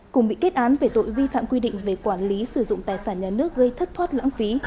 cùng bị kết án về tội vi phạm quy định về quản lý sử dụng tài sản nhà nước gây thất thoát lãng phí